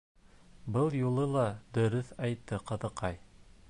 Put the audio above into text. Был юлы ла дөрөҫ әйтте ҡыҙыҡай.